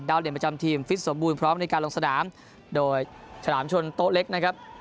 เด่นประจำทีมฟิตสมบูรณ์พร้อมในการลงสนามโดยฉลามชนโต๊ะเล็กนะครับ